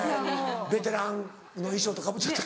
ベテランの衣装とかぶっちゃった。